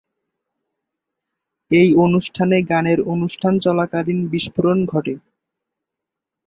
এই অনুষ্ঠানে গানের অনুষ্ঠান চলাকালীন বিস্ফোরণ ঘটে।